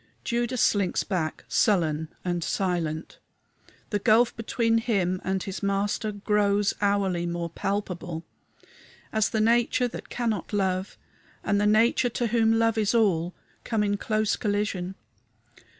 Judas slinks back, sullen and silent. The gulf between him and his Master grows hourly more palpable as the nature that cannot love and the nature to whom love is all come in close collision.